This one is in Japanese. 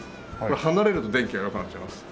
離れると電気が弱くなっちゃいます。